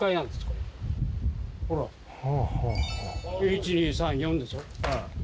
ほら１２３４でしょ。